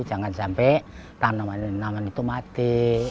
jangan sampai tanaman tanaman itu mati